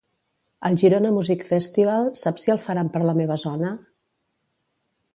El Girona Music Festival saps si el faran per la meva zona?